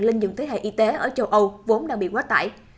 lên dòng thế hệ y tế ở châu âu vốn đang bị quá tải